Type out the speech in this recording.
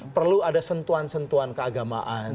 perlu ada sentuhan sentuhan keagamaan